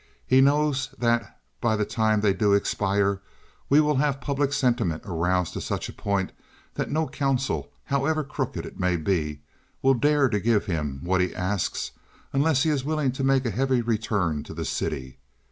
He knows that by the time they do expire we will have public sentiment aroused to such a point that no council, however crooked it may be, will dare to give him what he asks unless he is willing to make a heavy return to the city.